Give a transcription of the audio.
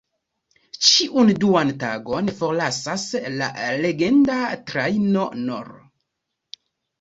Ĉiun duan tagon forlasas la legenda "Trajno N-ro.